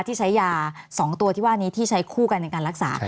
ที่ใช้ยา๒ตัวที่ว่านี้ที่ใช้คู่กันในการรักษา